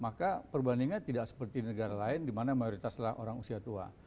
maka perbandingannya tidak seperti negara lain di mana mayoritaslah orang usia tua